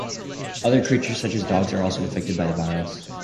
Other creatures, such as dogs, are also infected by the virus.